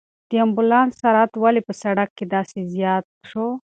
د امبولانس سرعت ولې په سړک کې داسې زیات شو؟